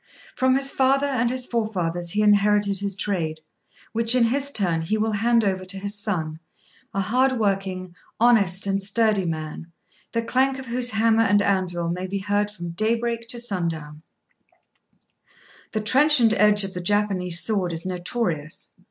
From his father and his forefathers he inherited his trade, which, in his turn, he will hand over to his son a hard working, honest, and sturdy man, the clank of whose hammer and anvil may be heard from daybreak to sundown. [Illustration: FORGING THE SWORD.] The trenchant edge of the Japanese sword is notorious.